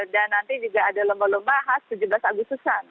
dan nanti juga ada lomba lomba khas tujuh belas agustusan